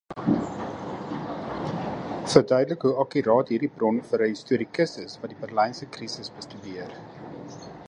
Verduidelik hoe akkuraat hierdie bron vir 'n historikus is wat die Berlynse Krisis bestudeer.